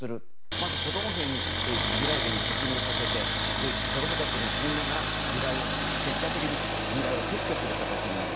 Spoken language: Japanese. まず子供兵に地雷原に突入させて子供たちが死にながら地雷を、結果的に撤去する形になる。